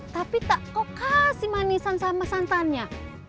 tapi tak kok kasih manisan sama santannya